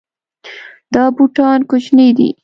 دا بوټان کوچني دي